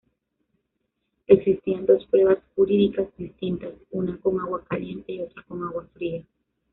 Existían dos pruebas "jurídicas" distintas, una con agua caliente y otra con agua fría.